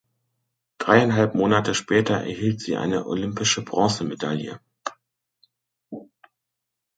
Dreieinhalb Monate später erhielt sie eine olympische Bronzemedaille.